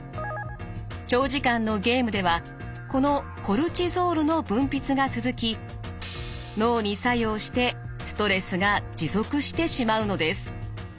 長時間のゲームではこのコルチゾールの分泌が続き脳に作用してストレスが持続してしまうのです。